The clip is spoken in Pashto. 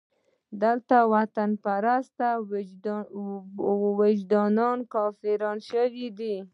دلته د وطنپرستۍ وجدان کافر شوی دی.